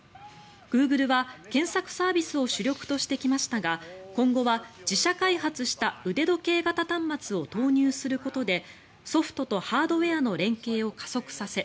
グーグルは検索サービスを主力としてきましたが今後は自社開発した腕時計型端末を投入することでソフトとハードウェアの連携を加速させ